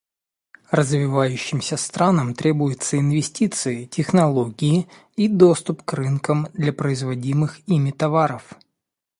Развивающимся странам требуются инвестиции, технологии и доступ к рынкам для производимых ими товаров.